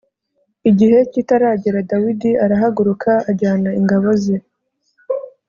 Igihe kitaragera Dawidi arahaguruka ajyana ingabo ze